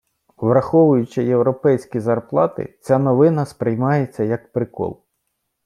Враховуючи європейські зарплати ця новина сприймається, як прикол.